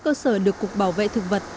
đó là lý đầu tiên